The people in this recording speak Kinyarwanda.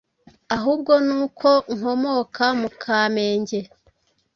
Ahubwo nuko nkomoka mukamenge